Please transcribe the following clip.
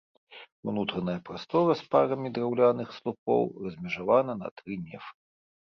Унутраная прастора з парамі драўляных слупоў размежавана на тры нефы.